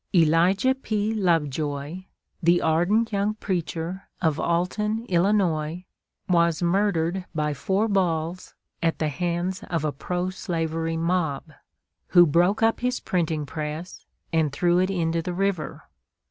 Elijah P. Lovejoy, the ardent young preacher of Alton, Illinois, was murdered by four balls at the hands of a pro slavery mob, who broke up his printing press, and threw it into the river.